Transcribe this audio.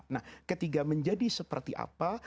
nah ketiga menjadi seperti apa